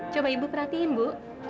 coba ibu perhatiin bu